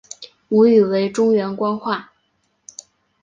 母语为中原官话。